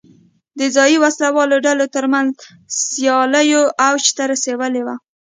د ځايي وسله والو ډلو ترمنځ سیالیو اوج ته رسولې وه.